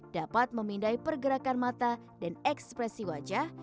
dapat memindai pergerakan mata dan ekspresi wajah